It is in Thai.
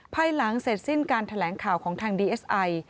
ภายหลังเสร็จสิ้นการแถลงข่าวของทางดีเอสไอ